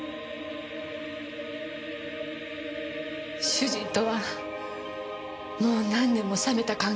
主人とはもう何年も冷めた関係でした。